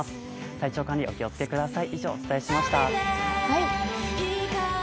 体調管理、お気をつけください。